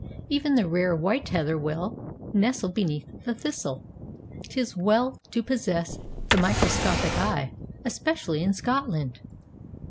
Even the rare white heather will 85 86 THE THISTLE nestle beneath the thistle. ''Tis well to possess the micro scopic eye, especially in Scotland